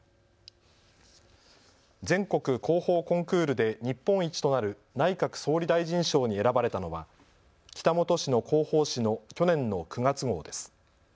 全国広報コンクールで日本一となる内閣総理大臣賞に選ばれたのは北本市の広報紙の去年の９月号です。